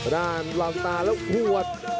ด้านลาวตาแล้วหัว